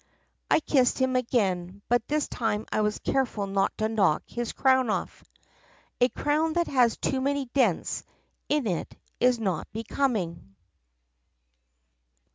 "I kissed him again, but this time I was careful not to knock his crown off. A crown that has too many dents in it is not becoming."